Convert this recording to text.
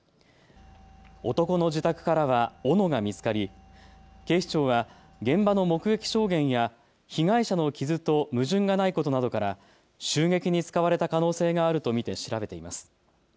男の自宅からはおのが見つかり警視庁は現場の目撃証言や被害者の傷と矛盾がないことなどから襲撃に使われた可能性があると見て調べています。